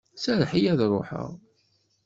Serrḥen-iyi ad ruḥeɣ.